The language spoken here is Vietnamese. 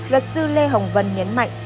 luật sư lê hồng vân nhấn mạnh